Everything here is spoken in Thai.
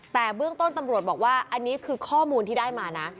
แต่เบื้องต้นตำรวจบอกว่าอันนี้คือข้อมูลที่ได้มานะ